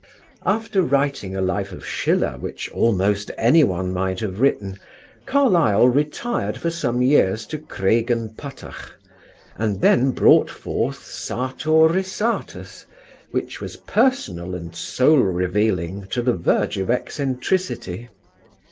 _ After writing a life of Schiller which almost anyone might have written, Carlyle retired for some years to Craigenputtoch, and then brought forth Sartor Resartus, which was personal and soul revealing to the verge of eccentricity.